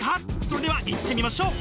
それではいってみましょう！